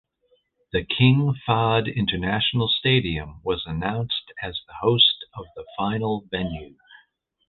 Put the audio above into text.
The King Fahd International Stadium was announced as the host of the final venue.